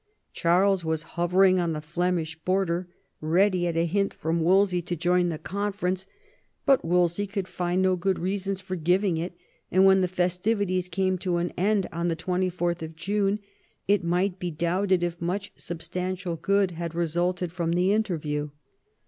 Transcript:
Charles was hovering on the Flemish border, ready at a hint from Wolsey to join the conference ; but Wolsey could find no good reasons for ^ving it» and when the festivities came to an end on 24th June, it might be doubted if much substantial good had resulted from the interview.